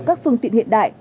các phương tiện hiện đại